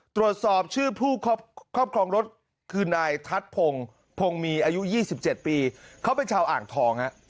ตรวจสอบชื่อผู้ครอบครองรถคือนายทัศน์พงศ์พงมีอายุ๒๗ปีเขาเป็นชาวอ่างทองฮะ